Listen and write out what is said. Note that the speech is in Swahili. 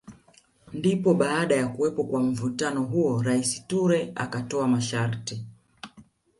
Ndipo baada ya kuwepo kwa mvutano huo Rais Toure akatoa masharti